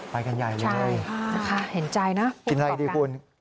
ไปกันใหญ่เลยนะครับค่ะเห็นใจนะพูดกลับกันกินอะไรดีคุณ